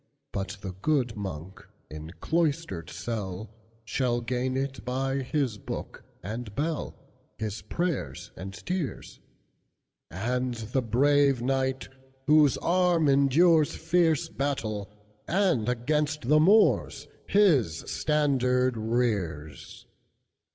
"But the good monk, in cloistered cell, Shall gain it by his book and bell, His prayers and tears; And the brave knight, whose arm enduresFierce battle, and against the MoorsHis standard rears.